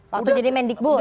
waktu jadi mendikbud